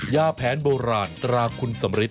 ยาแผนโบราณตราคุณสำริท